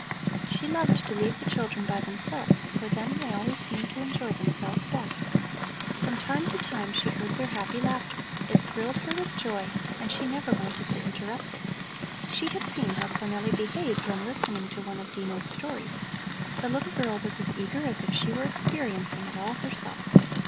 She loved to leave the children by themselves, for then they always seemed to enjoy themselves best. From time to time she heard their happy laughter; it thrilled her with joy, and she never wanted to interrupt it. She had seen how Cornelli behaved when listening to one of Dino's stories; the little girl was as eager as if she were experiencing it all herself.